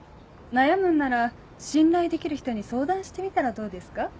悩むんなら信頼できる人に相談してみたらどうですか？